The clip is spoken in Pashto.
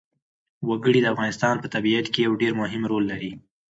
وګړي د افغانستان په طبیعت کې یو ډېر مهم رول لري.